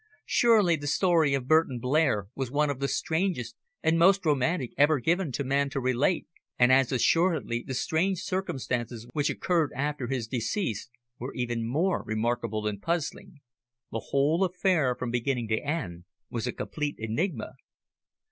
Surely the story of Burton Blair was one of the strangest and most romantic ever given to man to relate, and as assuredly the strange circumstances which occurred after his decease were even more remarkable and puzzling. The whole affair from beginning to end was a complete enigma.